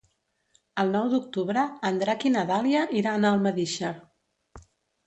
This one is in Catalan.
El nou d'octubre en Drac i na Dàlia iran a Almedíxer.